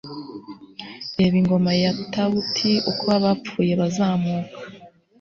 reba,' ingoma ya taut, 'uko abapfuye bazamuka